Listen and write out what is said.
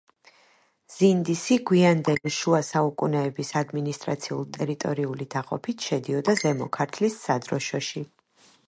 ზინდისი გვიანდელი შუა საუკუნეების ადმინისტრაციულ-ტერიტორიული დაყოფით შედიოდა ზემო ქართლის სადროშოში.